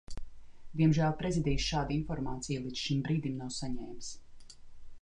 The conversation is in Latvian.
Diemžēl Prezidijs šādu informāciju līdz šim brīdim nav saņēmis.